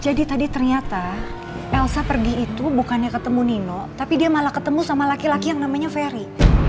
jadi tadi ternyata elsa pergi itu bukannya ketemu nino tapi dia malah ketemu sama laki laki yang namanya ferry